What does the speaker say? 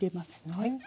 はい。